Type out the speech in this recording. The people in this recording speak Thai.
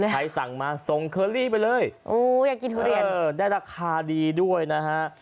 ให้สั่งมาส่งเคอร์ลี่ไปเลยได้ราคาดีด้วยนะฮะ